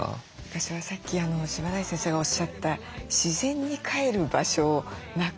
私はさっき柴内先生がおっしゃった自然にかえる場所をなくした動物犬猫。